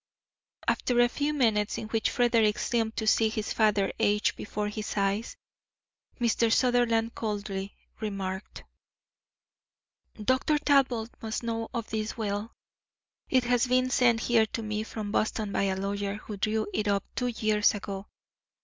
After a few minutes in which Frederick seemed to see his father age before his eyes, Mr. Sutherland coldly remarked: "Dr. Talbot must know of this will. It has been sent here to me from Boston by a lawyer who drew it up two years ago.